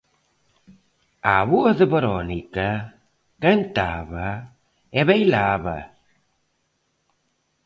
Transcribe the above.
A avoa de Verónica cantaba e bailaba.